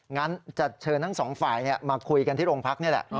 งั้นจะเชิญทั้งสองฝ่ายมาคุยกันที่โรงพักนี่แหละ